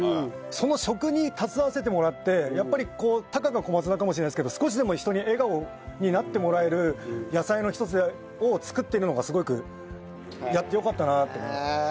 その食に携わせてもらってやっぱりたかが小松菜かもしれないですけど少しでも人に笑顔になってもらえる野菜の一つを作っていくのがすごくやってよかったなって思います。